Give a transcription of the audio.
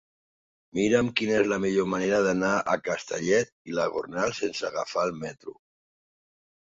Mira'm quina és la millor manera d'anar a Castellet i la Gornal sense agafar el metro.